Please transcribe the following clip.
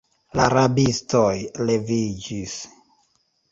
La rabistoj leviĝis.